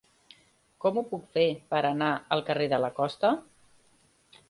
Com ho puc fer per anar al carrer de la Costa?